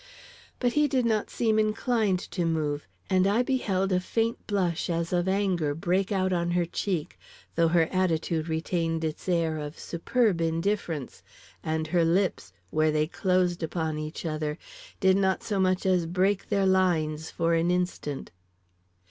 But he did not seem inclined to move, and I beheld a faint blush as of anger break out on her cheek, though her attitude retained its air of superb indifference, and her lips, where they closed upon each other, did not so much as break their lines for an instant.